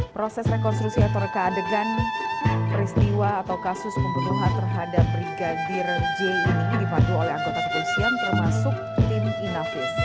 proses rekonstruksi atau keadegan peristiwa atau kasus pembentuhan terhadap brigadir j ini dipadu oleh anggota kebusian termasuk tim inavis